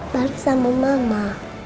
baru sama mama